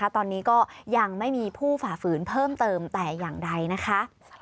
ตอนนี้ก็ยังไม่มีผู้ฝ่าฝืนเพิ่มเติมแต่อย่างใดนะคะ